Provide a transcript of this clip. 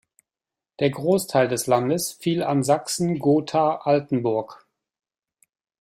Der Großteil des Landes fiel an Sachsen-Gotha-Altenburg.